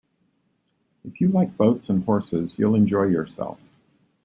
If you like boats and horses, you'll enjoy yourself.